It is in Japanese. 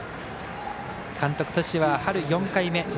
監督としては春４回目。